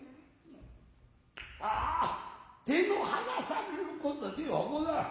ああ手の離さるることではござらぬ。